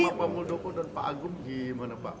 sama pak muldoko dan pak agung gimana pak